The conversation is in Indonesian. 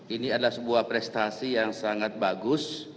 ini adalah sebuah prestasi yang sangat bagus